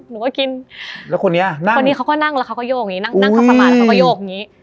หนูก็กินแล้วคนนี้อะนั่งคนนี้เขาก็นั่งแล้วเขาก็โยกอย่างงี้